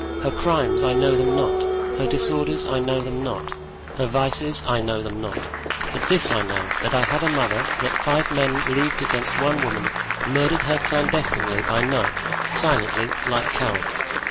Her crimes, I know them not; her disorders, I know them not; her vices, I know them not. But this I know, that I had a mother, that five men leagued against one woman, murdered her clandestinely by night—silently—like cowards.